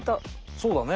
そうだね。